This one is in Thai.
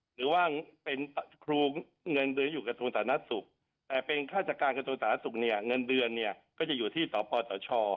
หรือว่าเป็นครูเงินเดือนอยู่กระทรวงศาสตร์นักศุกร์แต่เป็นฆ่าจักรกระทรวงศาสตร์นักศุกร์เนี่ยเงินเดือนเนี่ยก็จะอยู่ที่ตปตช